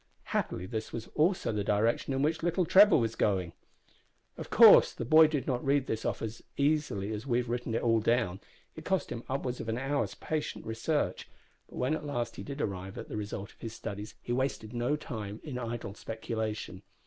Happily this was also the direction in which little Trevor was going. Of course the boy did not read this off as readily as we have written it all down. It cost him upwards of an hour's patient research; but when at last he did arrive at the result of his studies he wasted no time in idle speculation.